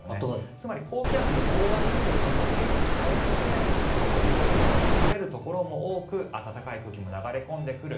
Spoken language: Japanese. つまり高気圧に覆われるということは天気回復傾向で晴れるところも多く暖かい空気も流れ込んでくる。